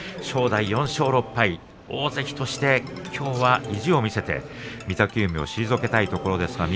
正代は４勝６敗大関としてきょうは意地を見せて御嶽海を退けたいところです。